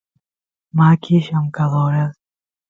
makis llamkadoras